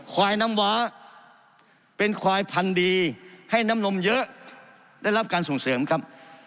ควายน้ำว้าเป็นควายพันธุ์ดีให้น้ำนมเยอะได้รับการส่งเสริมครับ